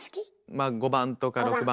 まあ５番とか６番。